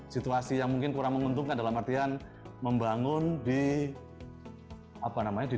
situasi yang mungkin kurang menguntungkan dalam artian membangun di apa namanya di